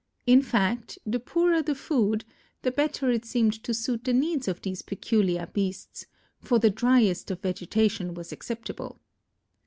In fact, the poorer the food, the better it seemed to suit the needs of these peculiar beasts for the dryest of vegetation was acceptable.